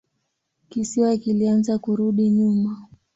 Kisiwa kilianza kurudi nyuma.